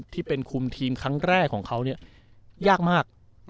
ที่เป็นคุมทีมครั้งแรกของเขาเนี่ยยากมาก